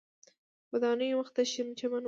ودانیو مخ ته شین چمن و.